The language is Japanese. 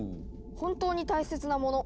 「本当に大切なもの。